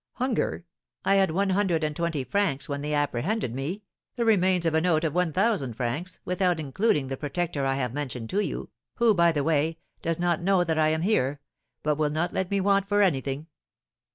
"Hunger! I had one hundred and twenty francs when they apprehended me, the remains of a note of one thousand francs, without including the protector I have mentioned to you, who, by the way, does not know that I am here, but will not let me want for anything.